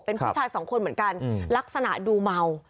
เป็นผู้ชายสองคนเหมือนกันลักษณะดูเมา